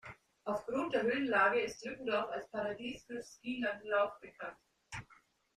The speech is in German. Auf Grund der Höhenlage ist Lückendorf als Paradies für Skilanglauf bekannt.